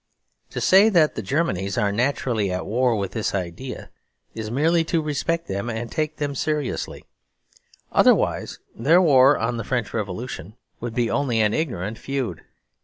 To say the Germanies are naturally at war with this idea is merely to respect them and take them seriously: otherwise their war on the French Revolution would be only an ignorant feud.